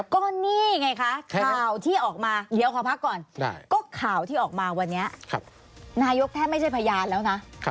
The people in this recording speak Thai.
ก็นี่ไงคะข่าวที่ออกมานายกแทบไม่ใช่พยานแล้วนะ